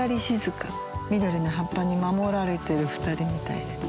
緑の葉っぱに守られている２人みたいな。